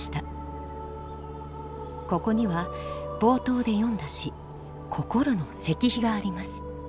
ここには冒頭で読んだ詩「こころ」の石碑があります。